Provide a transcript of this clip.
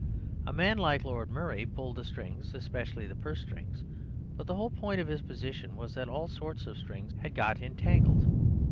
A man like Lord Murray pulled the strings, especially the purse strings; but the whole point of his position was that all sorts of strings had got entangled.